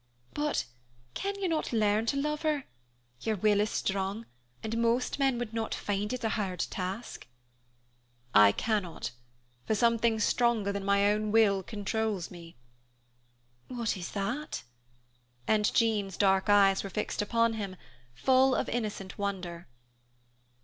"But can you not learn to love her? Your will is strong, and most men would not find it a hard task." "I cannot, for something stronger than my own will controls me." "What is that?" And Jean's dark eyes were fixed upon him, full of innocent wonder.